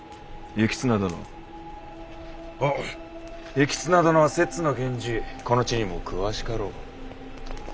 行綱殿は摂津の源氏この地にも詳しかろう。